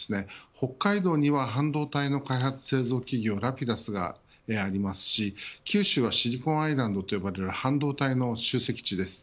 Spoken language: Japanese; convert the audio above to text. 北海道には半導体の開発製造企業ラピダスがありますし九州はシリコンアイランドと呼ばれる半導体の集積地です。